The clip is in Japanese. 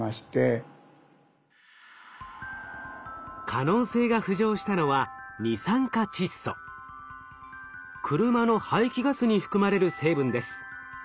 可能性が浮上したのは車の排気ガスに含まれる成分です。